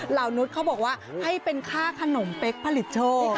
เหล่านุษย์เค้าบอกว่าให้เป็นค่าขนมเป๊กผลิตเชิง